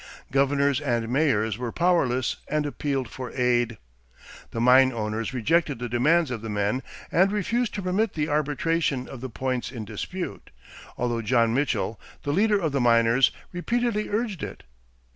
Governors and mayors were powerless and appealed for aid. The mine owners rejected the demands of the men and refused to permit the arbitration of the points in dispute, although John Mitchell, the leader of the miners, repeatedly urged it.